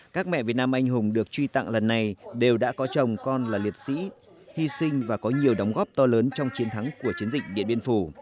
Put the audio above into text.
các mẹ việt nam anh hùng được truy tặng lần này đều đã có chồng con là liệt sĩ hy sinh và có nhiều đóng góp to lớn trong chiến thắng của chiến dịch điện biên phủ